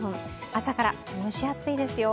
朝から蒸し暑いですよ。